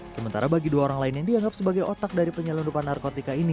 sementara bagi dua orang lain yang dianggap sebagai otak dari penyelundupan narkotika ini